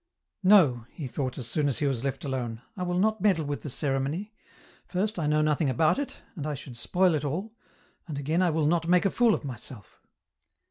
" No," he thought as soon as he was left alone ;" I will not meddle with the ceremony ; first I know nothing about it, and I should spoil it all, and again I will not make a fool of myself."